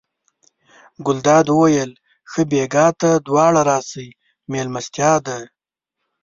ګلداد وویل ښه بېګا ته دواړه راسئ مېلمستیا ده.